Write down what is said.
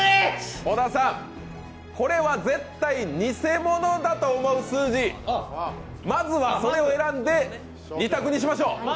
小田さん、これは絶対偽物だと思う数字、まずはそれを選んで２択にしましょう。